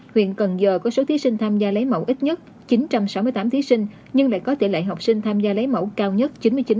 huyện cần giờ có số thí sinh tham gia lấy mẫu ít nhất chín trăm sáu mươi tám thí sinh nhưng lại có tỷ lệ học sinh tham gia lấy mẫu cao nhất chín mươi chín